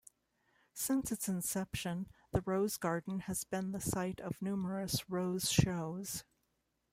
Since its inception, the Rose Garden has been the site of numerous rose shows.